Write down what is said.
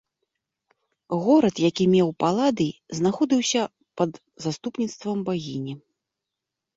Горад, які меў паладый, знаходзіўся пад заступніцтвам багіні.